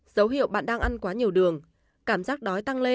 dấu hiệu bạn đang ăn quá nhiều đường cảm giác đói tăng lên